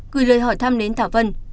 gửi lời hỏi thăm đến thảo vân